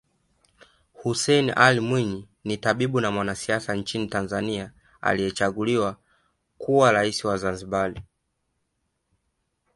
Hussein Ali Mwinyi ni tabibu na mwanasiasa nchini Tanzania aliyechaguliwa kuwa rais wa Zanzibar